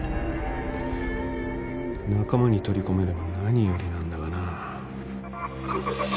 仲間に取り込めれば何よりなんだがな。